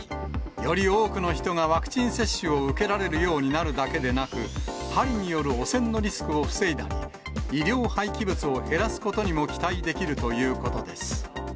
より多くの人がワクチン接種を受けられるようになるだけでなく、針による汚染のリスクを防いだり、医療廃棄物を減らすことにも期待できるということです。